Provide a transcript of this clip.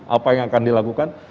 apa yang akan dilakukan